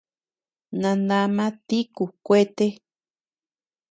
Nandama tíku kuete.